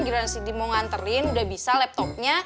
gila sindi mau nganterin udah bisa laptopnya